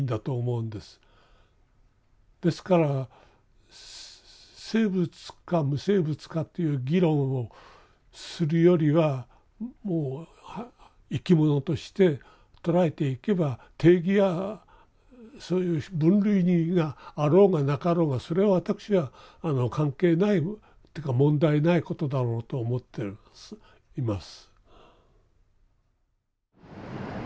ですから生物か無生物かという議論をするよりはもう生き物として捉えていけば定義やそういう分類があろうがなかろうがそれは私は関係ないっていうか問題ないことだろうと思ってるんですいます。